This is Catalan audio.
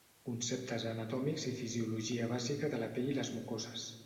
Conceptes anatòmics i fisiologia bàsica de la pell i les mucoses.